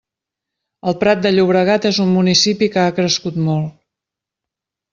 El Prat de Llobregat és un municipi que ha crescut molt.